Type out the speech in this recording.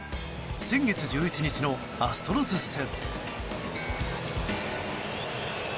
先月１１日のアストロズ戦。